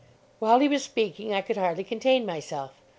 While he was speaking, I could hardly contain myself.